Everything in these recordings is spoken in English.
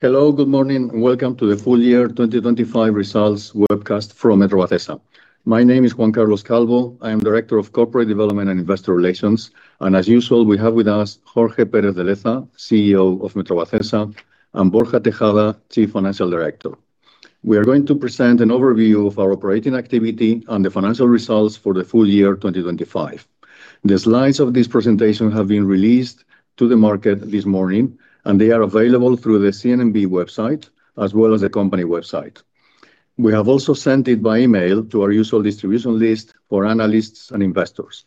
Hello, good morning, and welcome to the full year 2025 results webcast from Metrovacesa. My name is Juan Carlos Calvo. I am Director of Corporate Development and Investor Relations, and as usual, we have with us Jorge Pérez de Leza, CEO of Metrovacesa, and Borja Tejada, Chief Financial Director. We are going to present an overview of our operating activity and the financial results for the full year 2025. The slides of this presentation have been released to the market this morning, and they are available through the CNMV website, as well as the company website. We have also sent it by email to our usual distribution list for analysts and investors.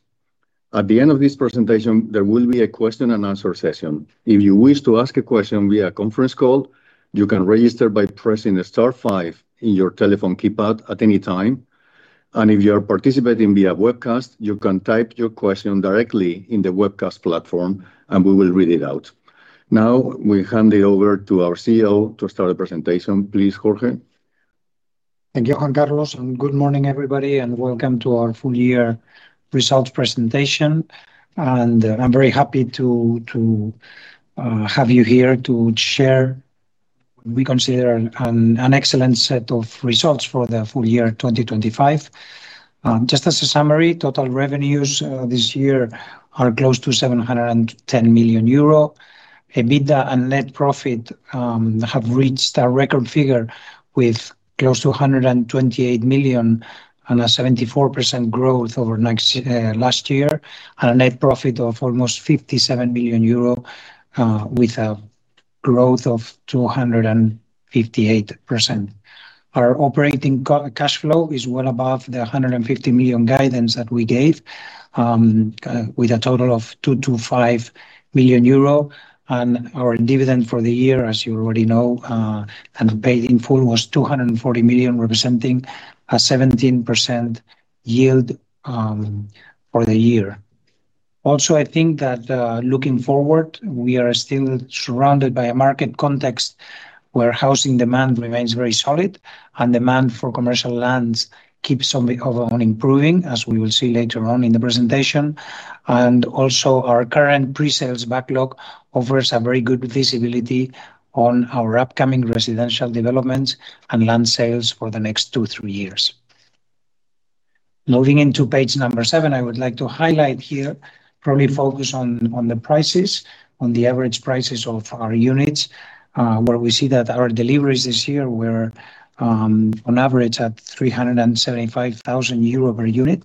At the end of this presentation, there will be a question and answer session. If you wish to ask a question via conference call, you can register by pressing star five in your telephone keypad at any time, and if you are participating via webcast, you can type your question directly in the webcast platform, and we will read it out. We hand it over to our CEO to start the presentation. Please, Jorge. Thank you, Juan Carlos. Good morning, everybody, and welcome to our full year results presentation. I'm very happy to have you here to share what we consider an excellent set of results for the full year 2025. Just as a summary, total revenues this year are close to 710 million euro. EBITDA and net profit have reached a record figure with close to 128 million and a 74% growth over last year, and a net profit of almost 57 million euro with a growth of 258%. Our operating cash flow is well above the 150 million guidance that we gave with a total of 225 million euro. Our dividend for the year, as you already know, and paid in full, was 240 million, representing a 17% yield for the year. I think that, looking forward, we are still surrounded by a market context where housing demand remains very solid and demand for commercial lands keeps on improving, as we will see later on in the presentation. Our current pre-sales backlog offers a very good visibility on our upcoming residential developments and land sales for the next two, three years. Moving into page number seven, I would like to highlight here, probably focus on the prices, on the average prices of our units, where we see that our deliveries this year were, on average, at 375,000 euro per unit.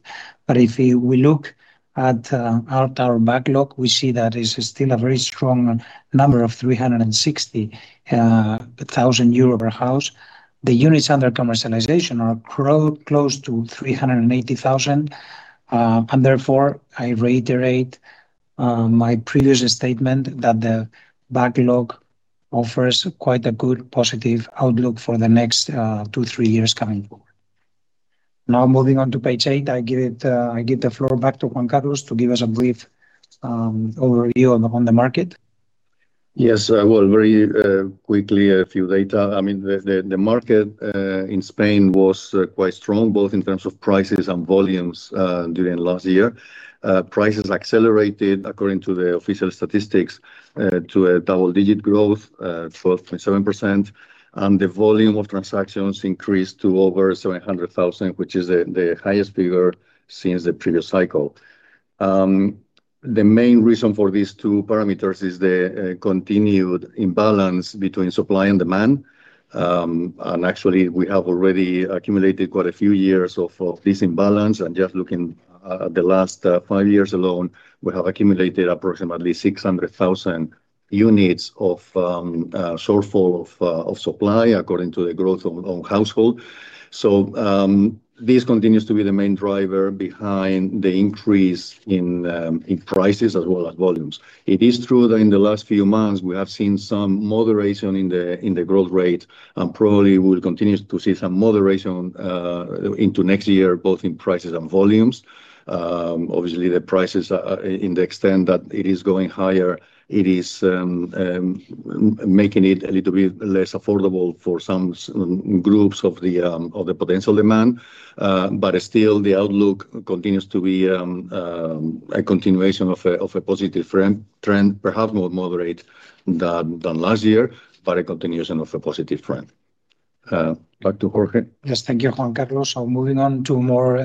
If we look at our backlog, we see that it's still a very strong number of 360,000 euro per house. The units under commercialization are close to 380,000. And therefore, I reiterate my previous statement that the backlog offers quite a good positive outlook for the next two, three years coming forward. Now, moving on to page eight, I give the floor back to Juan Carlos to give us a brief overview on the market. Yes, well, very quickly, a few data. I mean, the market in Spain was quite strong, both in terms of prices and volumes during last year. Prices accelerated, according to the official statistics, to a double-digit growth, 12.7%, and the volume of transactions increased to over 700,000, which is the highest figure since the previous cycle. The main reason for these two parameters is the continued imbalance between supply and demand. Actually, we have already accumulated quite a few years of this imbalance, and just looking at the last five years alone, we have accumulated approximately 600,000 units of shortfall of supply, according to the growth in households. This continues to be the main driver behind the increase in prices as well as volumes. It is true that in the last few months, we have seen some moderation in the growth rate, and probably we will continue to see some moderation into next year, both in prices and volumes. Obviously, the prices, in the extent that it is going higher, it is making it a little bit less affordable for some groups of the potential demand. Still, the outlook continues to be a continuation of a positive trend. Perhaps more moderate than last year, but a continuation of a positive trend. Back to Jorge. Yes. Thank you, Juan Carlos. Moving on to more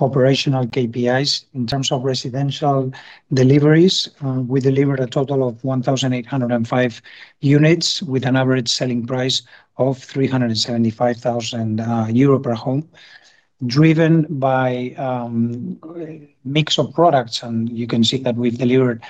operational KPIs. In terms of residential deliveries, we delivered a total of 1,805 units, with an average selling price of 375,000 euro per home, driven by a mix of products. You can see that we've delivered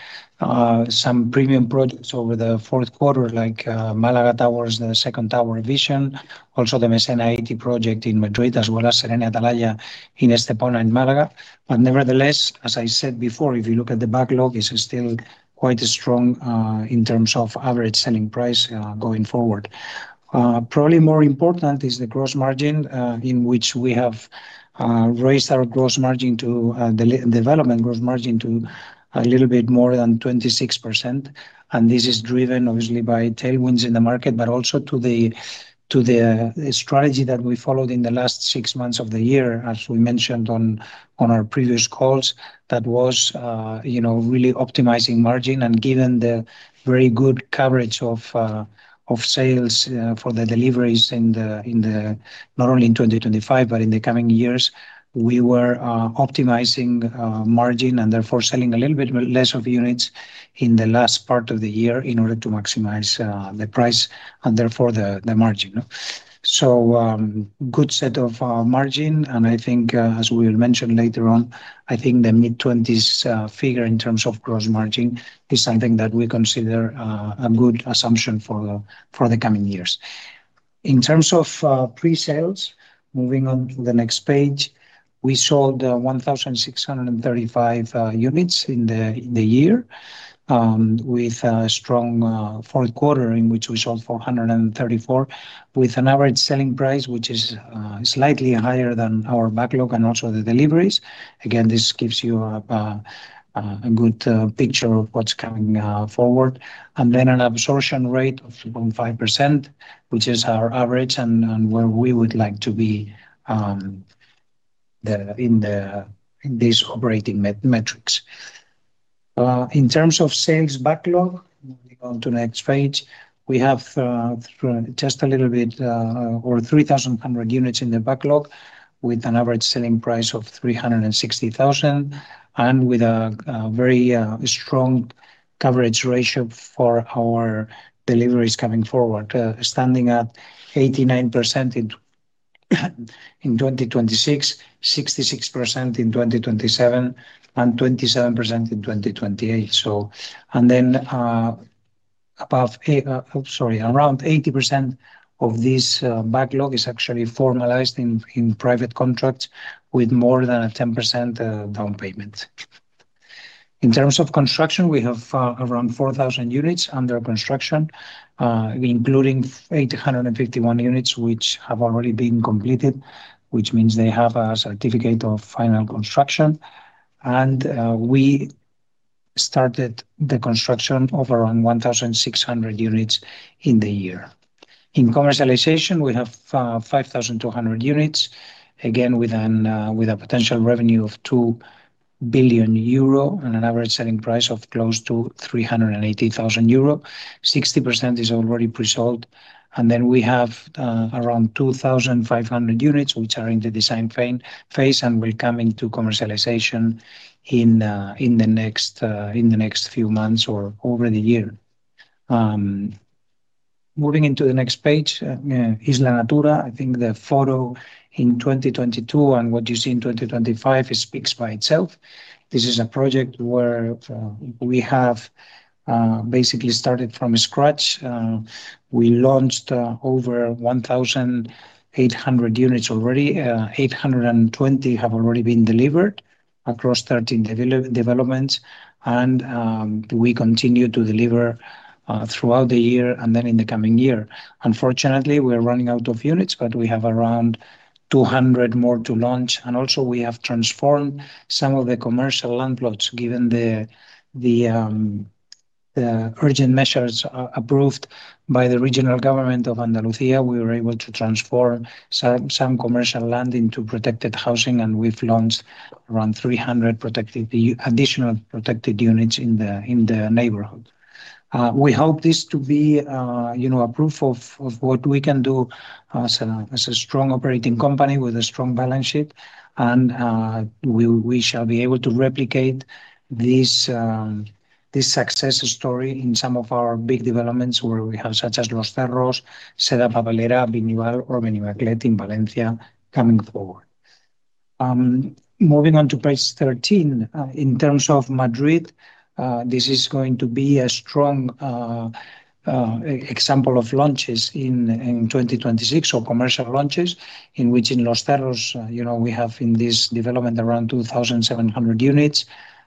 some premium projects over the Q4, like Málaga Towers, the second tower, Vision, also the Mesena 80 project in Madrid, as well as Serene Atalaya in Estepona, Málaga. Nevertheless, as I said before, if you look at the backlog, it's still quite strong in terms of average selling price going forward. Probably more important is the gross margin, in which we have raised our gross margin to the development gross margin to a little bit more than 26%. This is driven obviously by tailwinds in the market, but also to the strategy that we followed in the last six months of the year, as we mentioned on our previous calls. That was, you know, really optimizing margin and given the very good coverage of sales for the deliveries not only in 2025, but in the coming years. We were optimizing margin and therefore selling a little bit less of units in the last part of the year in order to maximize the price and therefore the margin. Good set of margin, and I think as we'll mention later on, I think the mid-20s figure in terms of gross margin is something that we consider a good assumption for the coming years. In terms of pre-sales, moving on to the next page, we sold 1,635 units in the year with a strong Q4, in which we sold 434, with an average selling price, which is slightly higher than our backlog and also the deliveries. Again, this gives you a good picture of what's coming forward. An absorption rate of 2.5%, which is our average, and where we would like to be in this operating metrics. In terms of sales backlog, moving on to the next page, we have just a little bit over 3,100 units in the backlog, with an average selling price of 360,000, and with a very strong coverage ratio for our deliveries coming forward, standing at 89% in 2026, 66% in 2027, and 27% in 2028. Then, sorry, around 80% of this backlog is actually formalized in private contracts with more than a 10% down payment. In terms of construction, we have around 4,000 units under construction, including 851 units, which have already been completed, which means they have a certificate of final construction. We started the construction of around 1,600 units in the year. In commercialization, we have 5,200 units, again, with a potential revenue of 2 billion euro and an average selling price of close to 380,000 euro. 60% is already pre-sold, we have around 2,500 units, which are in the design phase, and will come into commercialization in the next few months or over the year. Moving into the next page, Isla Natura, I think the photo in 2022 and what you see in 2025, it speaks by itself. This is a project where we have basically started from scratch. We launched over 1,800 units already. 820 have already been delivered across 13 developments, and we continue to deliver throughout the year and then in the coming year. Unfortunately, we're running out of units, but we have around 200 more to launch, and also we have transformed some commercial land plots. Given the urgent measures approved by the regional government of Andalusia, we were able to transform some commercial land into protected housing, and we've launched around 300 additional protected units in the neighborhood. We hope this to be, you know, a proof of what we can do as a strong operating company with a strong balance sheet. We shall be able to replicate this success story in some of our big developments where we have, such as Los Cerros, Seda-Papelera, Benial or Benimaclet in Valencia coming forward. Moving on to page 13. In terms of Madrid, this is going to be a strong example of launches in 2026, or commercial launches, in which in Los Cerros, you know, we have in this development around 2,700 units.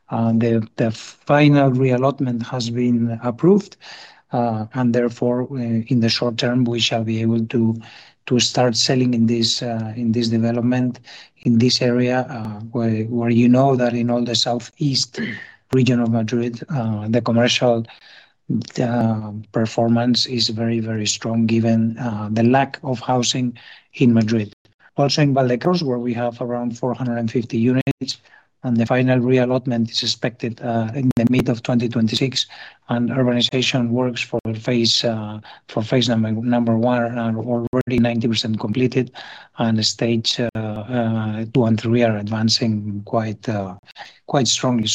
The final reallotment has been approved, and therefore, in the short term, we shall be able to start selling in this development, in this area, where you know that in all the southeast region of Madrid, the commercial performance is very strong, given the lack of housing in Madrid. In Valdecarros, where we have around 450 units, the final reallotment is expected in the mid of 2026, and urbanization works for phase number one are already 90% completed, and stage two and three are advancing quite strongly.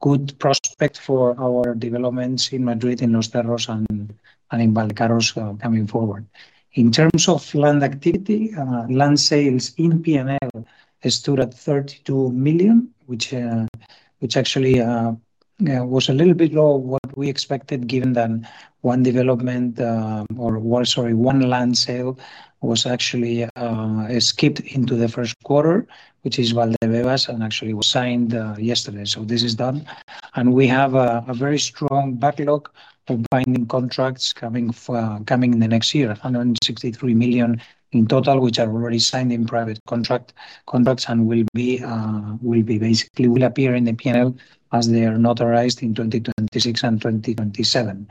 Good prospect for our developments in Madrid, in Los Cerros and in Valdecarros, coming forward. In terms of land activity, land sales in P&L stood at 32 million, which actually was a little bit lower than what we expected, given that one land sale was actually skipped into the Q1, which is Valdebebas, and actually was signed yesterday. This is done. We have a very strong backlog of binding contracts coming for coming in the next year. 163 million in total, which are already signed in private contracts, and will be basically, will appear in the P&L as they are notarized in 2026 and 2027.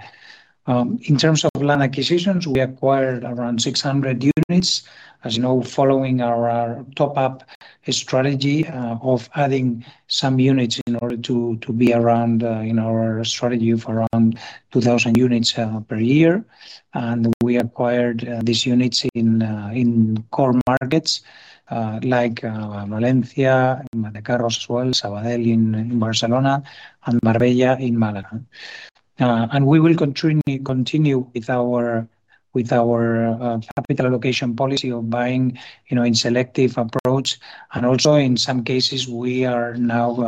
In terms of land acquisitions, we acquired around 600 units. As you know, following our top up strategy of adding some units in order to be around, you know, our strategy of around 2,000 units per year. We acquired these units in core markets like Valencia, in Valdecarros, as well, Sabadell in Barcelona, and Marbella in Málaga. We will continue with our capital allocation policy of buying, you know, in selective approach. Also, in some cases, we are now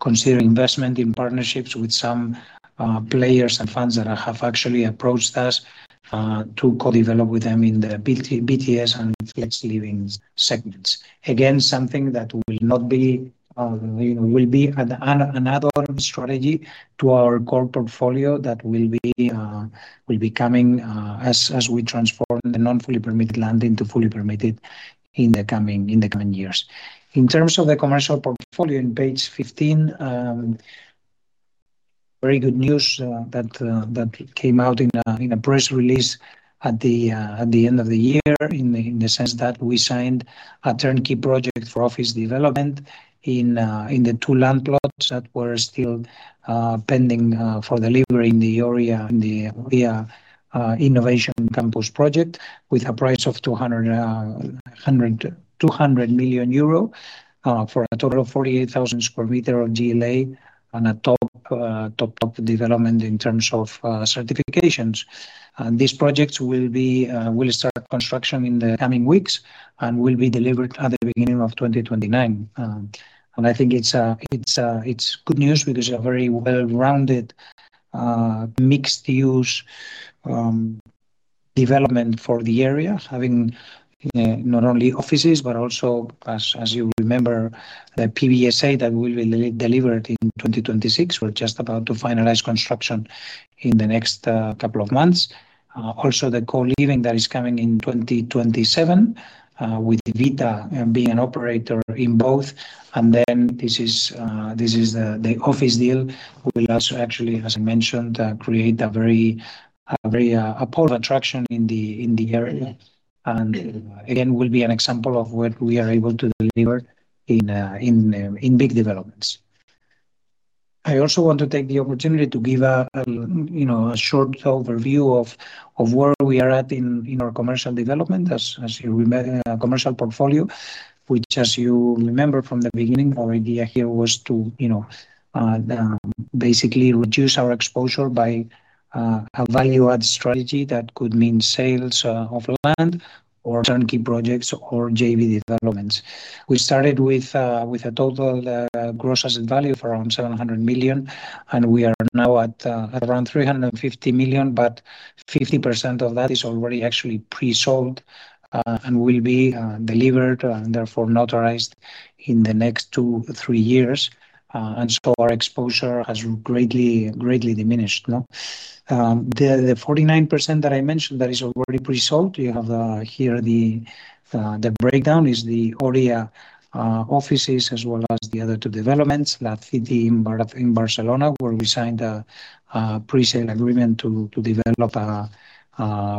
considering investment in partnerships with some players and funds that have actually approached us to co-develop with them in the BTS and Flex living segments. Something that will not be, you know, will be an add-on strategy to our core portfolio that will be coming as we transform the non-fully permitted land into fully permitted in the coming years. In terms of the commercial portfolio, in page 15, very good news that came out in a press release at the end of the year, in the sense that we signed a turnkey project for office development in the two land plots that were still pending for delivery in the Oria Innovation Campus project, with a price of 200 million euro for a total of 48,000 square meter of GLA and a top development in terms of certifications. These projects will start construction in the coming weeks and will be delivered at the beginning of 2029. I think it's good news because a very well-rounded mixed-use development for the area, having not only offices, but also, as you remember, the PBSA that will be delivered in 2026. We're just about to finalize construction in the next couple of months. Also, the co-living that is coming in 2027 with Vita being an operator in both. This is the office deal. We'll also actually, as I mentioned, create a very a pole of attraction in the area, and again, will be an example of what we are able to deliver in big developments. I also want to take the opportunity to give a, you know, a short overview of where we are at in our commercial development. As, as you remember, in our commercial portfolio, which, as you remember from the beginning, our idea here was to, you know, basically reduce our exposure by a value-add strategy that could mean sales of land, or turnkey projects, or JV developments. We started with a total gross asset value of around 700 million, and we are now at around 350 million, but 50% of that is already actually pre-sold and will be delivered, and therefore, notarized in the next two, three years. Our exposure has greatly diminished now. The 49% that I mentioned, that is already pre-sold, you have the breakdown is the Oria offices, as well as the other two developments, La City in Barcelona, where we signed a pre-sale agreement to develop a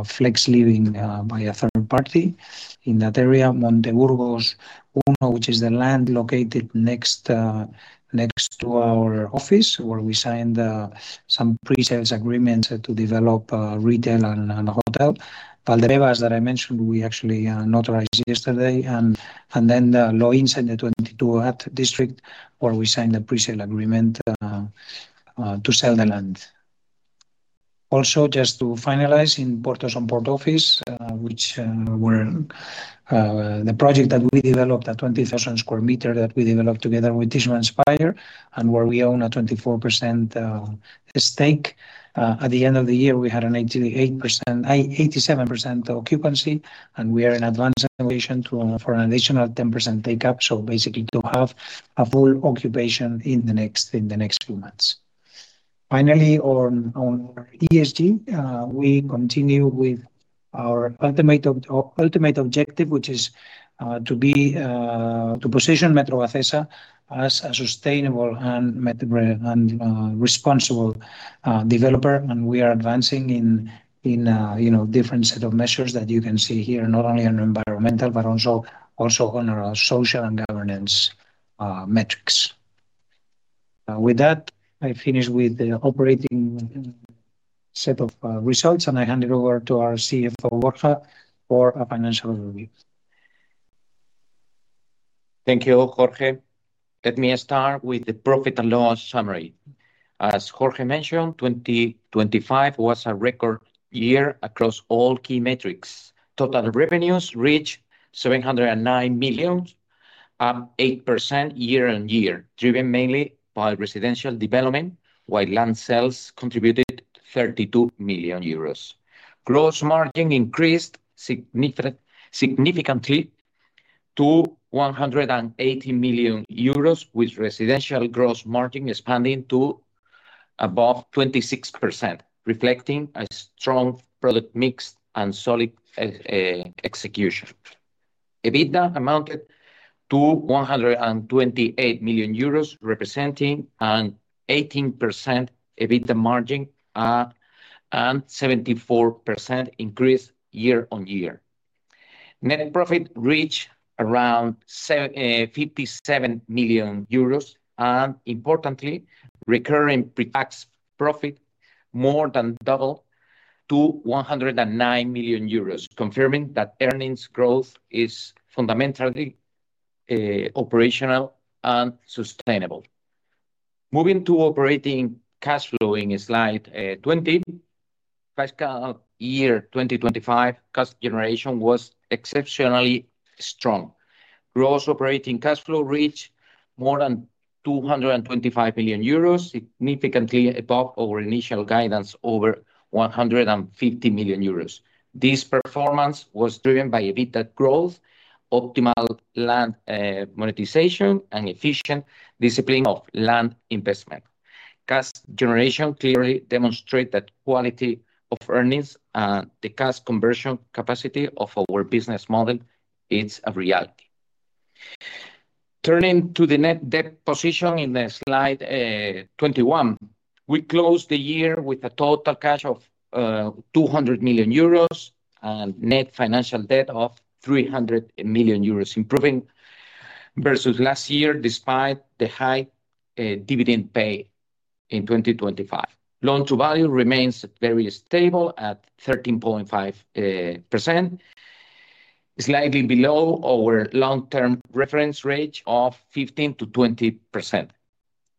Flex Living by a third party. In that area, Monteburgos I, which is the land located next to our office, where we signed some pre-sales agreements to develop retail and a hotel. Valdebebas, that I mentioned, we actually notarized yesterday. Then, the Loins in the 22@District, where we signed a pre-sale agreement to sell the land. Just to finalize, in Portos and Port Office, which were the project that we developed, a 20,000 sq m, that we developed together with Tishman Speyer, and where we own a 24% stake. At the end of the year, we had an 87% occupancy, and we are in advanced negotiation to for an additional 10% take-up, so basically to have a full occupation in the next few months. Finally, on ESG, we continue with our ultimate objective, which is to position Metrovacesa as a sustainable and responsible developer. We are advancing in, you know, different set of measures that you can see here, not only on environmental, but also on our social and governance metrics. With that, I finish with the operating set of results, and I hand it over to our CFO, Borja, for a financial review. Thank you, Jorge. Let me start with the profit and loss summary. As Jorge mentioned, 2025 was a record year across all key metrics. Total revenues reached EUR 709 million, 8% year-on-year, driven mainly by residential development, while land sales contributed 32 million euros. Gross margin increased significantly to 180 million euros, with residential gross margin expanding to above 26%, reflecting a strong product mix and solid execution. EBITDA amounted to 128 million euros, representing an 18% EBITDA margin, and 74% increase year-on-year. Net profit reached around 57 million euros, and importantly, recurring pre-tax profit more than double to 109 million euros, confirming that earnings growth is fundamentally operational and sustainable. Moving to operating cash flow in slide 20, fiscal year 2025 cash generation was exceptionally strong. Gross operating cash flow reached more than 225 million euros, significantly above our initial guidance, over 150 million euros. This performance was driven by EBITDA growth, optimal land monetization, and efficient discipline of land investment. Cash generation clearly demonstrates that quality of earnings and the cash conversion capacity of our business model is a reality. Turning to the net debt position in the slide 21, we closed the year with a total cash of 200 million euros and net financial debt of 300 million euros, improving versus last year, despite the high dividend paid in 2025. Loan to value remains very stable at 13.5%, slightly below our long-term reference range of 15%-20%.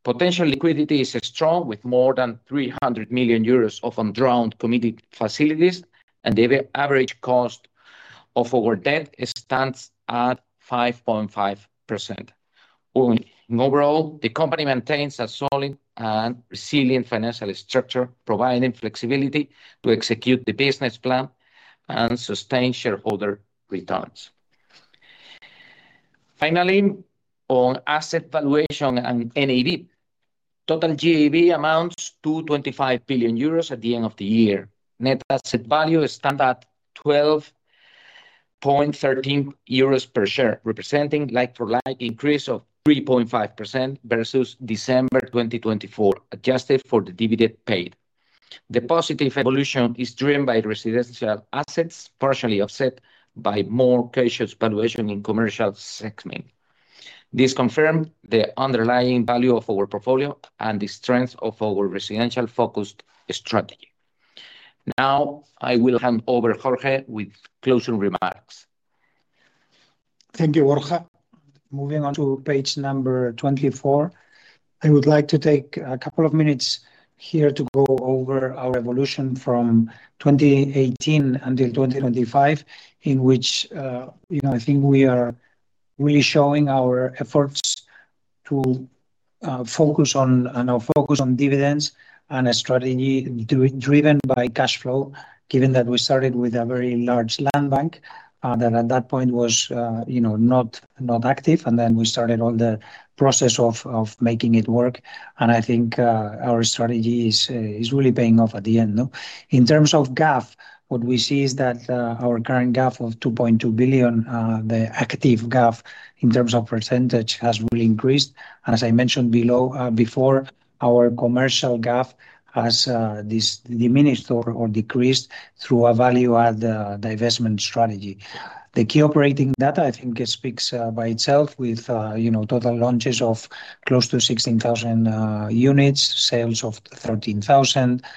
Potential liquidity is strong, with more than 300 million euros of undrawn committed facilities, the average cost of our debt stands at 5.5%. Overall, the company maintains a solid and resilient financial structure, which providing flexibility to execute the business plan and sustain shareholder returns. Finally, on asset valuation NAV, total GAV amounts to 25 billion euros at the end of the year. Net asset value stands at 12.13 euros per share, representing a like-for-like increase of 3.5% versus December 2024, adjusted for the dividend paid. The positive evolution is driven by residential assets, partially offset by more cautious valuation in commercial segment. This confirms the underlying value of our portfolio and the strength of our residential-focused strategy. I will hand over Jorge with closing remarks. Thank you, Borja. Moving on to page number 24, I would like to take a couple of minutes to go over our evolution from 2018 until 2025, in which, you know, I think we are really showing our efforts to focus on dividends and a strategy driven by cash flow. Given that we started with a very large land bank, which at that point was, you know, not active, and then we started on the process of making it work, and I think, our strategy is really paying off at the end, no? In terms of GAV, what we see is that, our current GAV of 2.2 billion, the active GAV, in terms of %, has really increased. As I mentioned below, before, our commercial GAV has diminished or decreased through a value-add divestment strategy. The key operating data, I think, it speaks by itself with, you know, total launches of close to 16,000 units, sales of 13,000 units,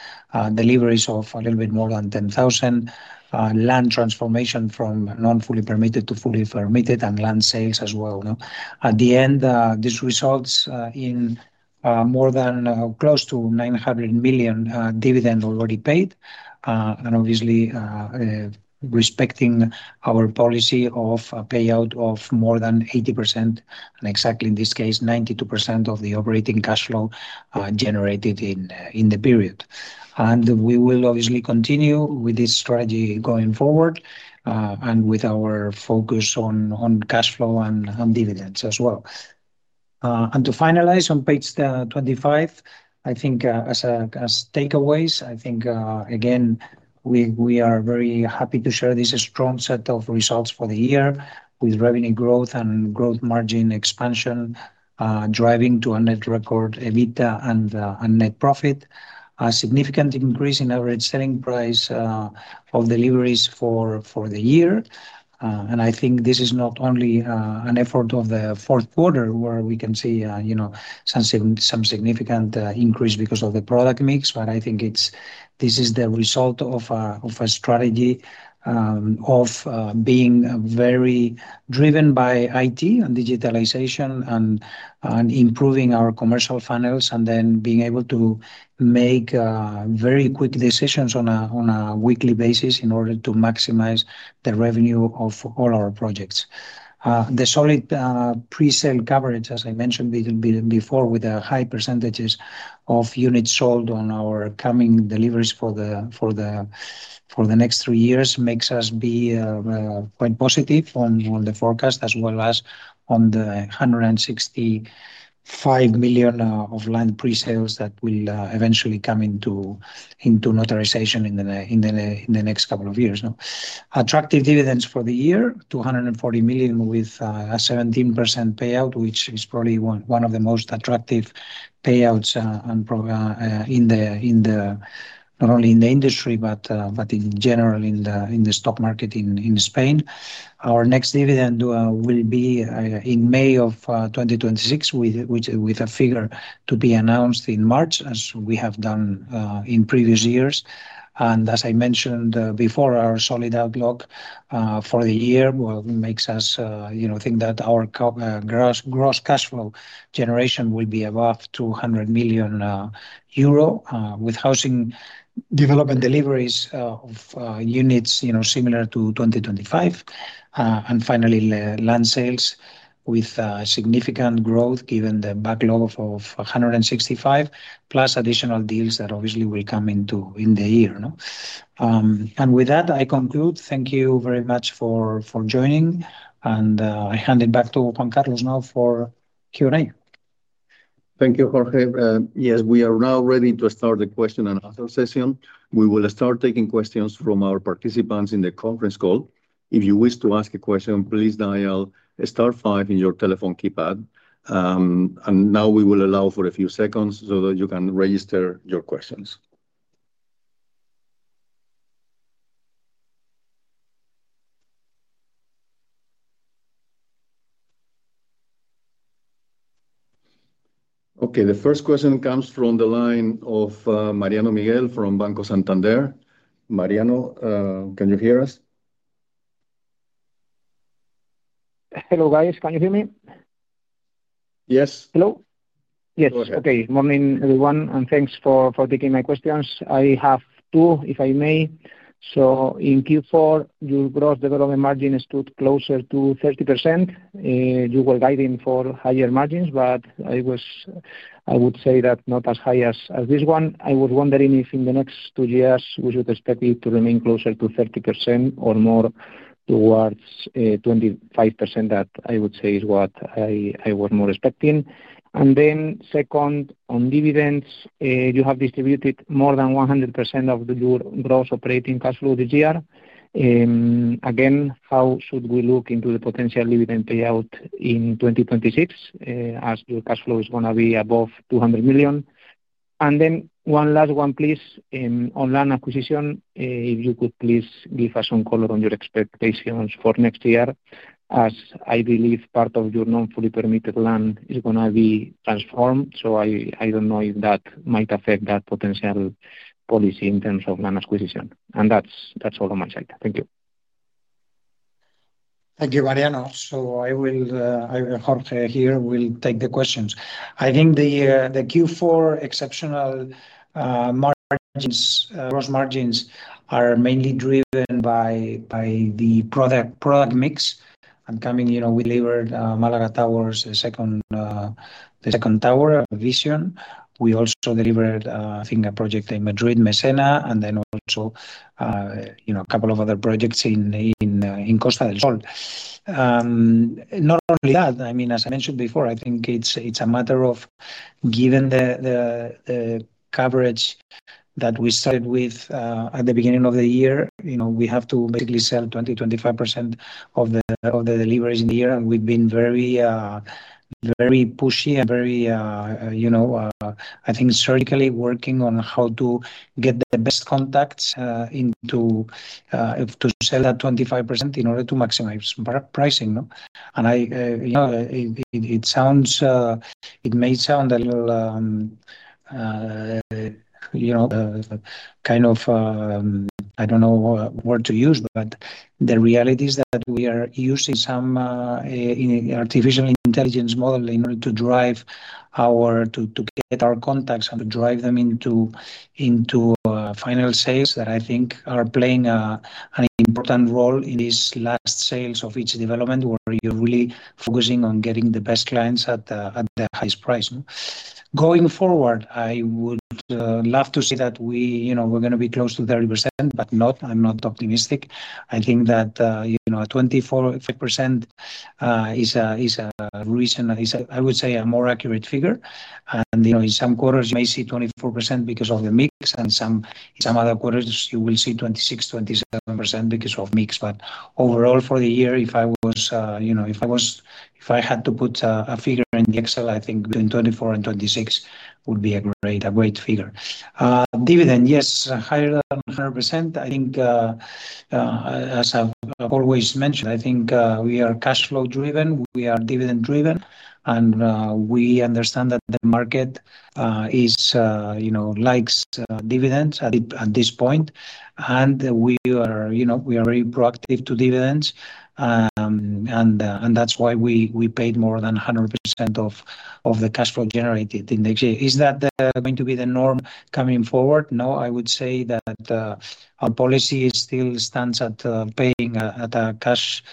deliveries of a little bit more than 10,000 units, land transformation from non-fully permitted to fully permitted, and land sales as well, no? At the end, this results in more than close to 900 million dividend already paid, and obviously, respecting our policy of a payout of more than 80%, and exactly in this case, 92% of the operating cash flow generated in the period. We will obviously continue with this strategy going forward, and with our focus on cash flow and dividends as well. To finalize, on page 25, I think, as takeaways, I think, again, we are very happy to share this strong set of results for the year, with revenue growth and growth margin expansion, driving to a net record, EBITDA and net profit. A significant increase in average selling price, of deliveries for the year. I think this is not only, an effort of the Q4, where we can see, you know, some significant, increase because of the product mix. e result of a strategy of being very driven by IT and digitalization, and improving our commercial funnels, and then being able to make very quick decisions on a weekly basis in order to maximize the revenue of all our projects. The solid presale coverage, as I mentioned before, with the high percentages of units sold on our coming deliveries for the next three years, makes us be quite positive on the forecast, as well as on the 165 million of land pre-sales that will eventually come into notarization in the next couple of years, no Attractive dividends for the year, 240 million, with a 17% payout, which is probably one of the most attractive payouts in the, not only in the industry, but in general, in the stock market in Spain. Our next dividend will be in May of 2026, with a figure to be announced in March, as we have done in previous years. As I mentioned before, our solid outlook for the year, well, makes us, you know, think that our gross cash flow generation will be above 200 million euro, with housing development deliveries of units, you know, similar to 2025. Finally, land sales with significant growth, given the backlog of 165, plus additional deals that obviously will come into in the year, no? With that, I conclude. Thank you very much for joining, and I hand it back to Juan Carlos now for Q&A. Thank you, Jorge. Yes, we are now ready to start the question and answer session. We will start taking questions from our participants in the conference call. If you wish to ask a question, please dial star five in your telephone keypad. Now we will allow for a few seconds so that you can register your questions. Okay, the first question comes from the line of Mariano Miguel, from Banco Santander. Mariano, can you hear us? Hello, guys. Can you hear me? Yes. Hello? Go ahead. Yes. Okay. Morning, everyone, and thanks for taking my questions. I have two, if I may. In Q4, your gross development margin stood closer to 30%. You were guiding for higher margins, but it was, I would say that not as high as this one. I was wondering if in the next two years, we should expect it to remain closer to 30% or more towards 25%. That, I would say, is what I was more expecting. Second, on dividends, you have distributed more than 100% of your gross operating cash flow this year. Again, how should we look into the potential dividend payout in 2026, as your cash flow is gonna be above 200 million? One last one, please. on land acquisition, if you could please give us some color on your expectations for next year, as I believe part of your non-fully permitted land is gonna be transformed. I don't know if that might affect that potential policy in terms of land acquisition. That's all on my side. Thank you. Thank you, Mariano. I will, I, Jorge here, will take the questions. I think the Q4 exceptional margins, gross margins are mainly driven by the product mix. Coming, you know, we delivered Málaga Towers, the second tower, Vision. We also delivered, I think a project in Madrid, Mesena, also, you know, a couple of other projects in Costa del Sol. Not only that, I mean, as I mentioned before, I think it's a matter of given the coverage we started with at the beginning of the year, you know, we have to basically sell 20%-25% of the deliveries in the year. We've been very, very pushy and very, you know, I think surgically working on how to get the best contacts into, if to sell that 25% in order to maximize product pricing, no? I, you know, it sounds. It may sound a little, you know, kind of, I don't know what word to use, but the reality is that we are using some artificial intelligence model in order to get our contacts and to drive them into final sales. That, I think, are playing an important role in these last sales of each development, where you're really focusing on getting the best clients at the highest price, no? Going forward, I would love to see that we, you know, we're gonna be close to 30%. I'm not optimistic. I think that, you know, a 24% is a, is a recent, is, I would say, a more accurate figure. You know, in some quarters, you may see 24% because of the mix, and some other quarters, you will see 26%, 27% because of mix. Overall, for the year, if I was, you know, if I had to put a figure in the Excel, I think between 24% and 26% would be a great figure. Dividend, yes, higher than 100%. I think, as I've always mentioned, I think we are cash flow driven, we are dividend driven. We understand that the market is, you know, likes dividends at this point. We are, you know, we are very proactive to dividends. That's why we paid more than 100% of the cash flow generated in the year. Is that going to be the norm coming forward? No, I would say that our policy still stands at paying a cash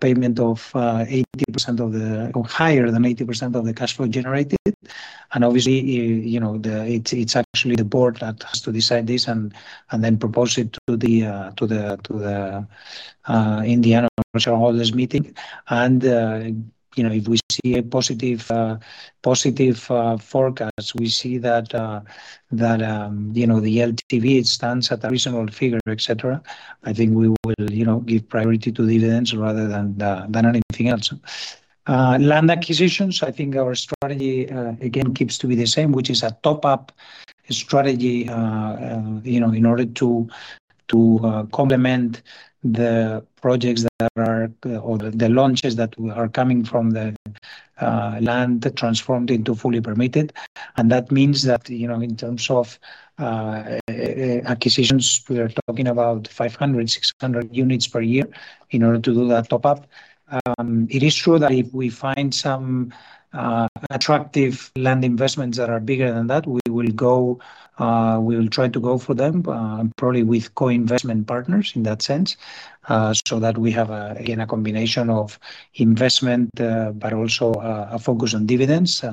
payment of 80% or higher than 80% of the cash flow generated. Obviously, you know, the, it's actually the board that has to decide this and then propose it to the to the to the in the annual shareholders meeting. You know, if we see a positive positive forecast, we see that that, you know, the LTV, it stands at a reasonable figure, et cetera. I think we will, you know, give priority to dividends rather than than anything else. Land acquisitions, I think our strategy again, keeps to be the same, which is a top-up strategy. You know, in order to to complement the projects that are or the launches that are coming from the land transformed into fully permitted. That means that, you know, in terms of acquisitions, we are talking about 500, 600 units per year in order to do that top up. It is true that if we find some attractive land investments that are bigger than that, we will go, we will try to go for them, probably with co-investment partners in that sense. So that we have again, a combination of investment, but also a focus on dividends.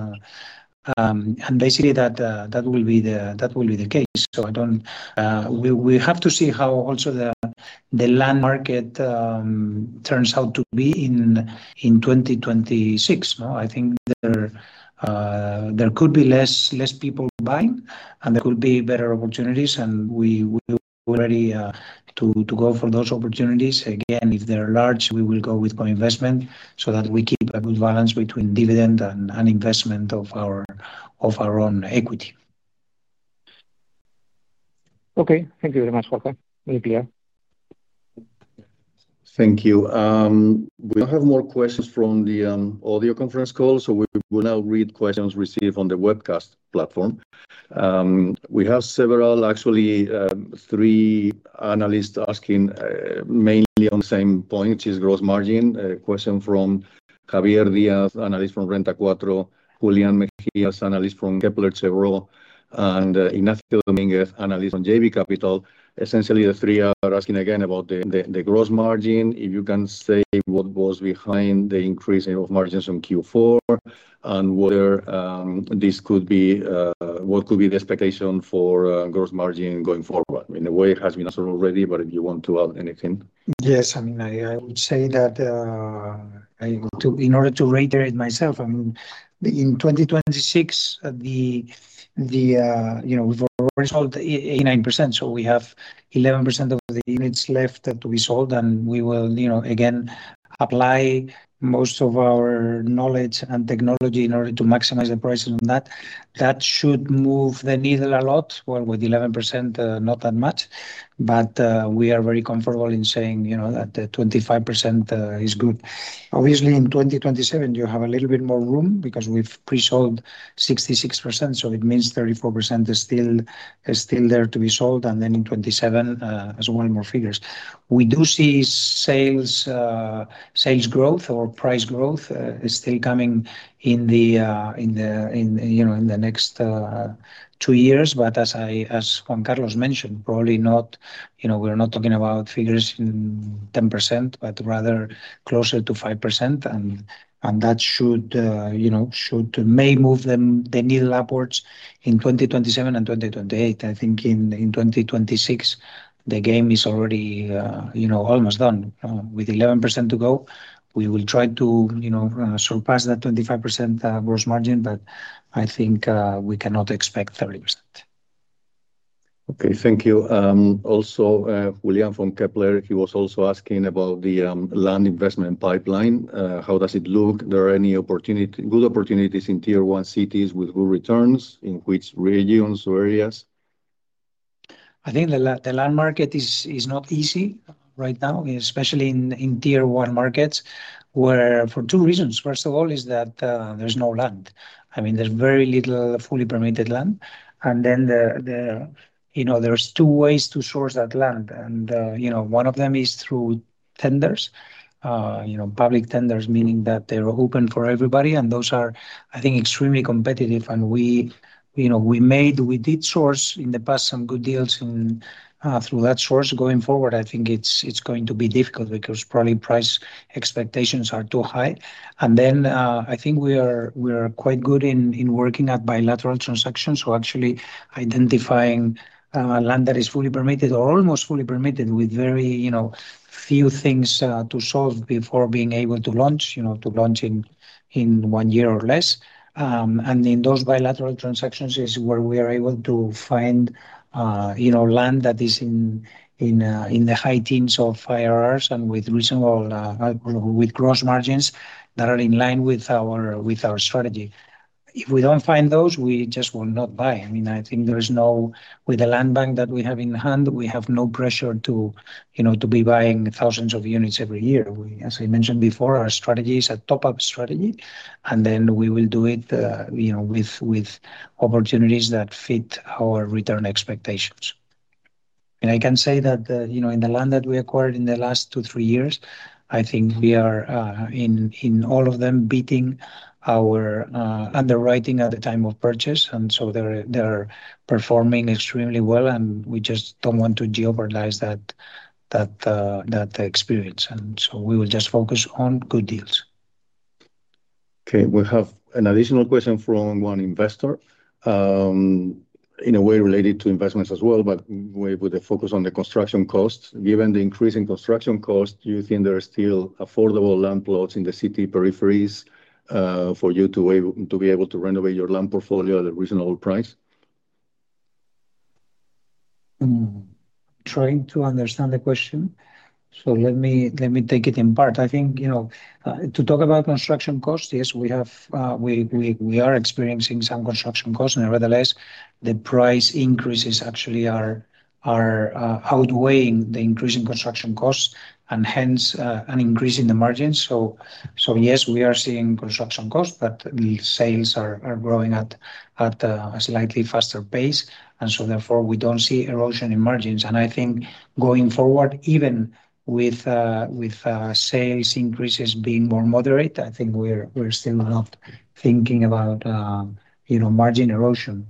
Basically, that will be the case. We have to see how also the land market turns out to be in 2026. No, I think there could be less people buying. There could be better opportunities. We're ready to go for those opportunities. Again, if they're large, we will go with co-investment so that we keep a good balance between dividend and investment of our own equity. Okay. Thank you very much, Jorge. Very clear. Thank you. We don't have more questions from the audio conference call, so we will now read questions received on the webcast platform. We have several, actually, three analysts asking mainly on the same point, which is gross margin. A question from Javier Díaz, analyst from Renta 4,Julián Megías, analyst from Kepler Cheuvreux, and Ignacio Dominguez, analyst from JB Capital. Essentially, the three are asking again about the gross margin. If you can say what was behind the increase in of margins from Q4, and whether this could be. What could be the expectation for gross margin going forward? In a way, it has been answered already, but if you want to add anything. Yes, I mean, I would say that, in order to reiterate myself, I mean, in 2026, you know, we've already sold 89%, so we have 11% of the units left that to be sold. We will, you know, again, apply most of our knowledge and technology in order to maximize the prices on that. That should move the needle a lot. Well, with 11%, not that much, but we are very comfortable in saying, you know, that the 25% is good. Obviously, in 2027, you have a little bit more room because we've pre-sold 66%, so it means 34% is still there to be sold, and then in 2027, there's one more figures. We do see sales growth or price growth is still coming in the next two years. As Juan Carlos mentioned, probably not, you know, we're not talking about figures in 10%, but rather closer to 5%. That should, you know, may move them, the needle upwards in 2027 and 2028. I think in 2026, the game is already, you know, almost done. With 11% to go, we will try to, you know, surpass that 25% gross margin, but I think, we cannot expect 30%. Okay. Thank you. Also, William from Kepler Cheuvreux, he was also asking about the land investment pipeline. How does it look? There are any good opportunities in Tier 1 cities with good returns, in which regions or areas? I think the land market is not easy right now, especially in Tier 1 markets, where for two reasons. First of all, is that, there's no land. I mean, there's very little fully permitted land. And then, you know, there's two ways to source that land, and, you know, one of them is through tenders. You know, public tenders, meaning that they're open for everybody, and those are, I think, extremely competitive. We, you know, we did source in the past some good deals through that source. Going forward, I think it's going to be difficult because probably price expectations are too high. I think we are, we are quite good in working at bilateral transactions, so actually identifying land that is fully permitted or almost fully permitted with very, you know, few things to solve before being able to launch, you know, to launch in one year or less. In those bilateral transactions is where we are able to find, you know, land that is in the high teens of IRR and with reasonable gross margins that are in line with our, with our strategy. If we don't find those, we just will not buy. I mean, I think With the land bank that we have in hand, we have no pressure to, you know, to be buying thousands of units every year. We, as I mentioned before, our strategy is a top-up strategy. We will do it, you know, with opportunities that fit our return expectations. I can say that, you know, in the land that we acquired in the last two, three years, I think we are, in all of them, beating our underwriting at the time of purchase. They're performing extremely well, and we just don't want to jeopardize that experience. We will just focus on good deals. We have an additional question from one investor, in a way related to investments as well, but way with a focus on the construction costs. Given the increase in construction costs, do you think there are still affordable land plots in the city peripheries, for you to be able to renovate your land portfolio at a reasonable price? Trying to understand the question, so let me take it in part. I think, you know, to talk about construction costs, yes, we have, we are experiencing some construction costs. Nevertheless, the price increases actually are outweighing the increase in construction costs, and hence, an increase in the margins. Yes, we are seeing construction costs, but the sales are growing at a slightly faster pace, and so therefore, we don't see erosion in margins. I think going forward, even with sales increases being more moderate, I think we're still not thinking about, you know, margin erosion.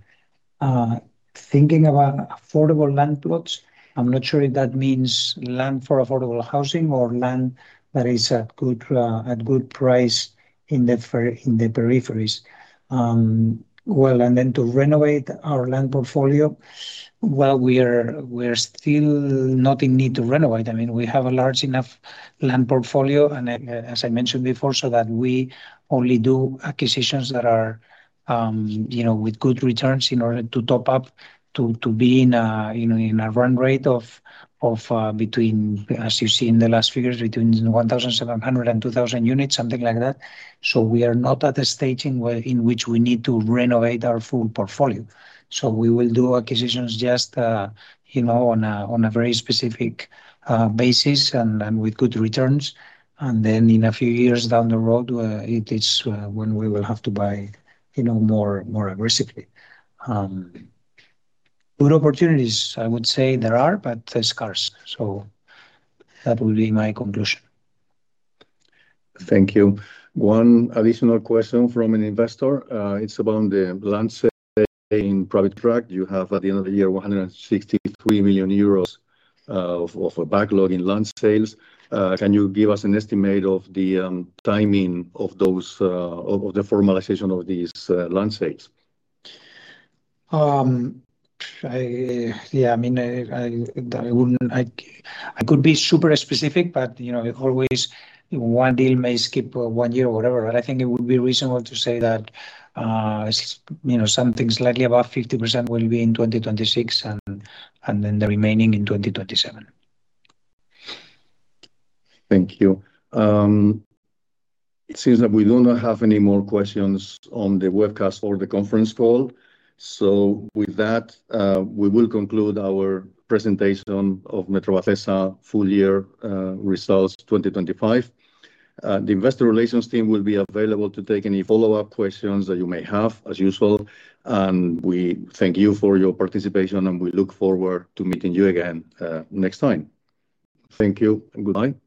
Thinking about affordable land plots, I'm not sure if that means land for affordable housing or land that is at good, at good price in the peripheries. Well, we're still not in need to renovate. I mean, we have a large enough land portfolio, as I mentioned before, so that we only do acquisitions that are, you know, with good returns in order to top up to be in a, you know, in a run rate of between, as you see in the last figures, between 1,700 and 2,000 units, something like that. We are not at a stage in which we need to renovate our full portfolio. We will do acquisitions just, you know, on a very specific basis and with good returns. In a few years down the road, it is when we will have to buy, you know, more, more aggressively. Good opportunities, I would say there are, but they're scarce, so that would be my conclusion. Thank you. One additional question from an investor. It's about the land sale in private track. You have, at the end of the year, 163 million euros of a backlog in land sales. Can you give us an estimate of the timing of those of the formalization of these land sales? Yeah, I mean, I could be super specific, but, you know, always one deal may skip one year or whatever, but I think it would be reasonable to say that, you know, something slightly above 50% will be in 2026, and then the remaining in 2027. Thank you. It seems that we do not have any more questions on the webcast or the conference call. With that, we will conclude our presentation of Metrovacesa full year results 2025. The investor relations team will be available to take any follow-up questions that you may have, as usual. We thank you for your participation, and we look forward to meeting you again next time. Thank you, and goodbye.